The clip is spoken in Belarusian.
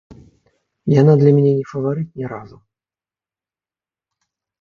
Яна для мяне не фаварыт ні разу.